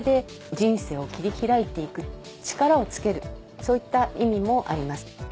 そういった意味もあります。